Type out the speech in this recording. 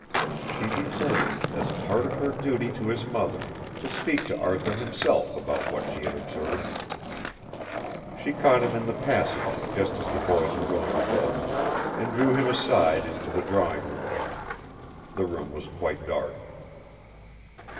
She determined, as a part of her duty to his mother, to speak to Arthur himself about what she had observed. She caught him in the passage just as the boys were going to bed, and drew him aside into the drawing room. The room was quite dark.